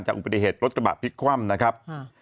อุบัติเหตุรถกระบะพลิกคว่ำนะครับ